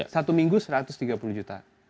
satu minggu satu ratus tiga puluh juta